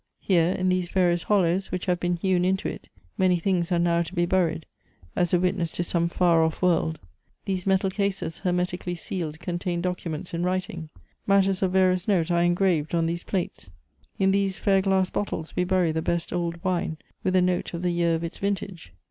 Hei e, in these various hollows which have been hewn into it, many things are now to be buried, as a witness to some far off world — these metal cases hei metically sealed contain documents in writing ; matters of various note are engraved on these plates; in these fair glass bottles we bury the best old wine, with a note of the year of its vintage.